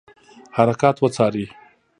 حرکات وڅاري.